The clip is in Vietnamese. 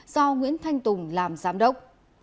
do nguyễn thanh tùng làm giám đốc